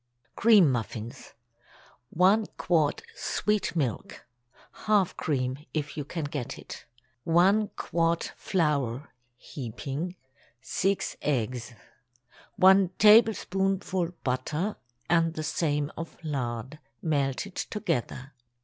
CREAM MUFFINS. ✠ 1 quart sweet milk (half cream, if you can get it). 1 quart flour—heaping. 6 eggs. 1 tablespoonful butter, and the same of lard—melted together.